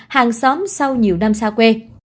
hàng xóm sau nhiều năm xa quê